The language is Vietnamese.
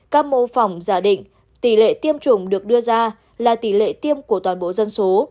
các mô phỏng giả định tỷ lệ tiêm chủng được đưa ra là tỷ lệ tiêm của toàn bộ dân số